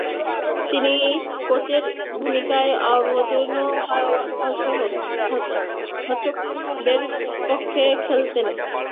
তিনি কোচের ভূমিকায় অবতীর্ণ হওয়াসহ হকস বে’র পক্ষে খেলতেন।